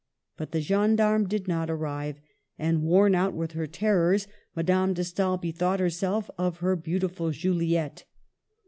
But the gendarme did not arrive ; and, worn out with her terrors, Madame de Stael be thought herself of her " beautiful Juliette."